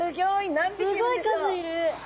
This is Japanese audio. すごい数いる。